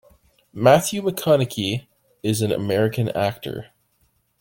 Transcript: Matthew McConaughey is an American actor.